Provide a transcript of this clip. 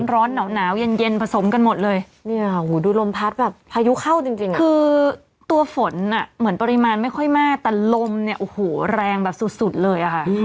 ร้อนหนาวเย็นผสมกันหมดเลย